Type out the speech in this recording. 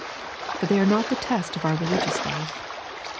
But they are not the test of our religious life.